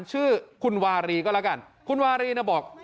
ชื่อคุณวารีก็แล้วกันคุณวารีเนี่ยบอก